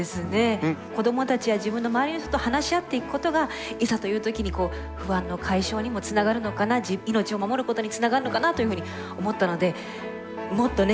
子どもたちや自分の周りの人と話し合っていくことがいざという時に不安の解消にもつながるのかな命を守ることにつながるのかなというふうに思ったのでもっとね